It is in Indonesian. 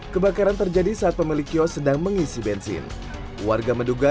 kebakaran terjadi saat pemilik kios sedang mengisi bensin warga menduga